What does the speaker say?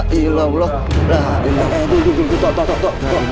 tuh tuh tuh